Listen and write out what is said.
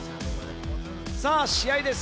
さあ試合です。